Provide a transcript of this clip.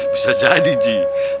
bisa jadi ji